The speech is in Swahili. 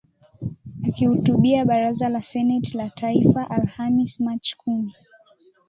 akihutubia Baraza la Seneti la taifa Alhamisi Machi kumi